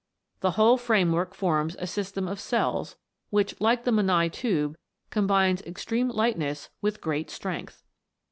The whole framework forms a system of cells, which, like the Menai tube, com bines extreme lightness with great strength.